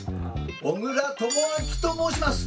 小倉智昭と申します。